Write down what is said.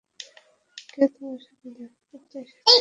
কেউ তোমার সাথে দেখা করতে এসেছে।